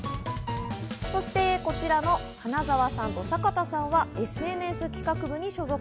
そしてこちらは金澤さんと坂田さんはＳＮＳ企画部に所属。